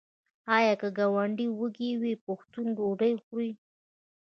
آیا که ګاونډی وږی وي پښتون ډوډۍ خوري؟